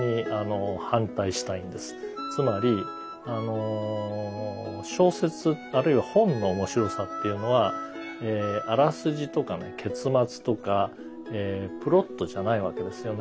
つまり小説あるいは本の面白さっていうのはあらすじとかね結末とかプロットじゃないわけですよね。